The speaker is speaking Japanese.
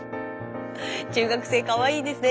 中学生かわいいですね。